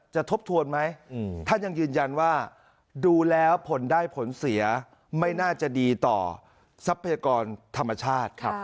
ทบทวนไหมท่านยังยืนยันว่าดูแล้วผลได้ผลเสียไม่น่าจะดีต่อทรัพยากรธรรมชาติ